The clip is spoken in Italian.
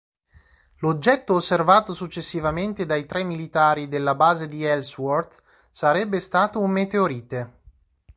L'oggetto osservato successivamente dai tre militari della base di Ellsworth sarebbe stato un meteorite.